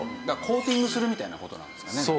だからコーティングするみたいな事なんですかね。